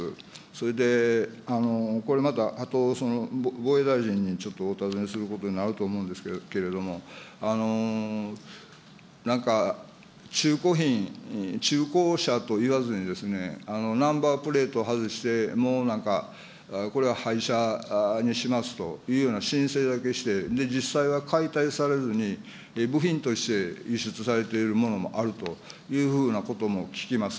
それで、これまたあと、防衛大臣にちょっとお尋ねすることになると思うんですけれども、なんか中古品、中古車といわずに、ナンバープレートを外して、もうなんか、これは廃車にしますというような申請だけして、実際は解体されずに部品として輸出されているものもあるというふうなことも聞きます。